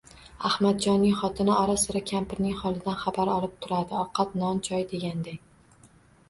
Adhamjonning xotini ora-sira kampirning holidan xabar olib turadi, ovqat, non-choy deganday